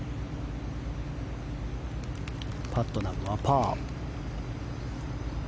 パットナムはパー。